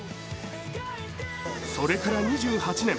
それから２８年。